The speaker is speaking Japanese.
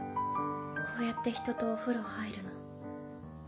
こうやってひととお風呂入るの。